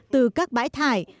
từ các bãi thải